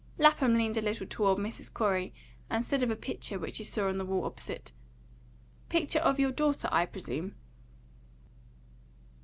Lapham leaned a little toward Mrs. Corey, and said of a picture which he saw on the wall opposite, "Picture of your daughter, I presume?"